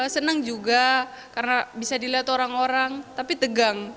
senang juga karena bisa dilihat orang orang tapi tegang